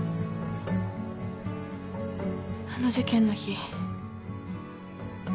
あの事件の日。